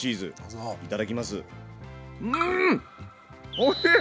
おいしい！